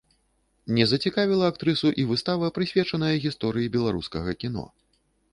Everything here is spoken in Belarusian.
Не зацікавіла актрысу і выстава прысвечаная гісторыі беларускага кіно.